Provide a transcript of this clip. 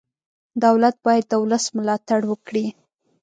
دولت باید د ولس ملاتړ وکړي.